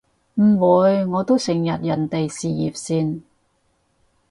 唔會，我都成日人哋事業線